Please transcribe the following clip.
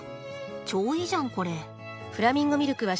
超いいじゃんこれ。